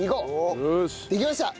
できました。